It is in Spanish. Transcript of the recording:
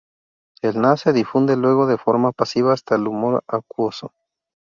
El Na se difunde luego de forma pasiva hasta el humor acuoso.